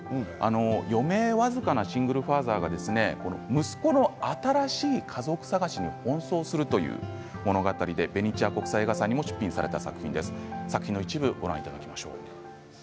余命僅かなシングルファーザーが息子の新しい家族探しに奔走するという物語でベネチア国際映画祭にも出品された作品です。